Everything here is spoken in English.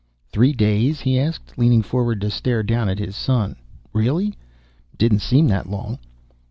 "Three days?" he asked, leaning forward to stare down at his son. "Really! It didn't seem that long."